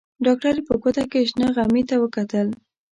ډاکټرې په ګوته کې شنه غمي ته وکتل.